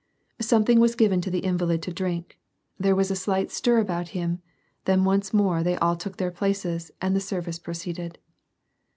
Something was given to the invalid to drink, there was a slight stir about him ; then once more they all took their places and the service proceeded.